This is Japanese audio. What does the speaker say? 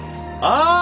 ああ！